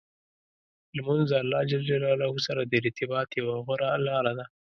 لمونځ د الله جل جلاله سره د ارتباط یوه غوره لار ده.